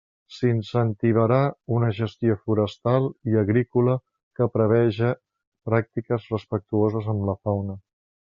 S'incentivarà una gestió forestal i agrícola que preveja pràctiques respectuoses amb la fauna.